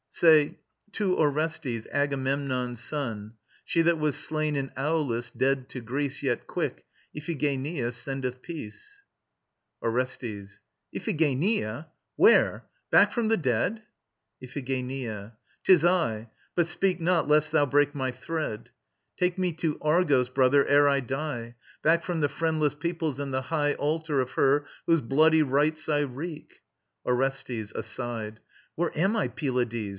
Say: "To Orestes, Agamemnon's son She that was slain in Aulis, dead to Greece Yet quick, Iphigenia sendeth peace:" ORESTES. Iphigenia! Where? Back from the dead? IPHIGENIA. 'Tis I. But speak not, lest thou break my thread. "Take me to Argos, brother, ere I die, Back from the Friendless Peoples and the high Altar of Her whose bloody rites I wreak." ORESTES (ASIDE). Where am I, Pylades?